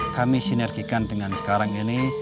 kami sinergikan dengan sekarang ini